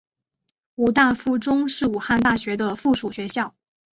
武大附中是武汉大学的附属学校。